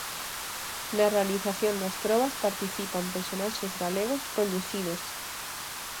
Na realización das probas participan personaxes galegos coñecidos.